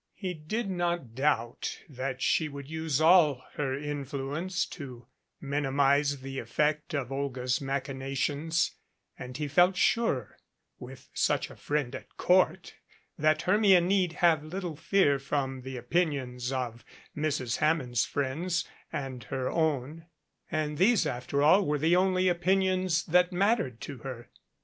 He did not doubt that she would use all her influence to minimize the effect of Olga's machi nations, and he felt sure with such a friend at court that Hermia need have little to fear from the opinions of Mrs. 322 THE VRASS BELL Hammond's friends and her own, and these after all were the only opinions that mattered to her.